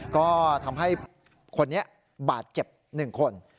ก็ทำให้คนนี้บาดเจ็บ๑คน